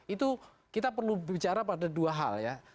itu kita perlu bicara pada dua hal ya